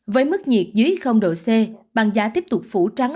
với mức nhiệt dưới độ c bằng giá tiếp tục phủ trắng